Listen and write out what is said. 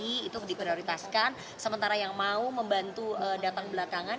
yang sudah di prioritaskan sementara yang mau membantu datang belakangan